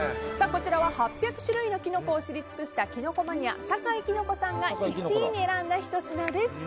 こちらは８００種類のキノコを知り尽くしたキノコマニア、坂井きのこさんが１位に選んだひと品です。